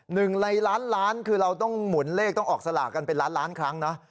หนึ่งในล้านล้านคือเราต้องหมุนเลขต้องออกสลากกันเป็นล้านล้านครั้งนะ